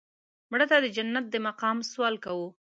مړه ته د جنت د مقام سوال کوو